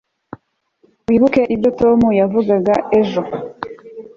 wibuke ibyo tom yavugaga ejo